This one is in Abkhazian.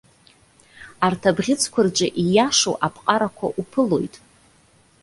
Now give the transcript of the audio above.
Арҭ абӷьыцқәа рҿы ииашоу аԥҟарақәа уԥылоит.